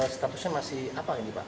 statusnya masih apa ini pak